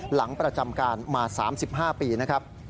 หลังประจำการมา๓๕ปีนะครับ